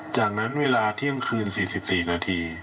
จากนั้นเวลาเที่ยงคืน๔๔นาที